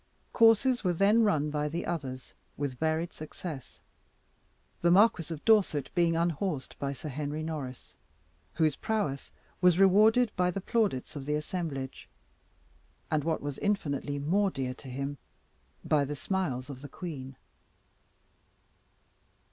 Courses were then run by the others, with varied success, the Marquis of Dorset being unhorsed by Sir Henry Norris, whose prowess was rewarded by the plaudits of the assemblage, and what was infinitely more dear to him, by the smiles of the queen.